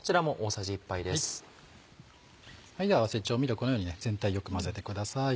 では合わせ調味料このように全体よく混ぜてください。